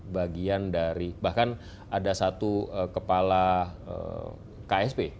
bagian dari bahkan ada satu kepala ksp